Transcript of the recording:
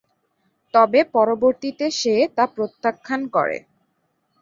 তবে পরবর্তীতে সে তা প্রত্যাখ্যান করে।